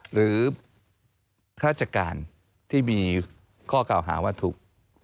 หรือราชการที่มีข้อเก่าหาว่าถูก